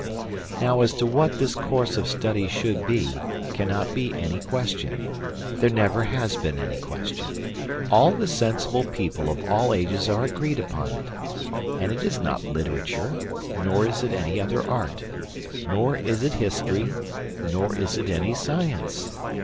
Now as to what this course of study should be there cannot be any question; there never has been any question. All the sensible people of all ages are agreed upon it. And it is not literature, nor is it any other art, nor is it history, nor is it any science.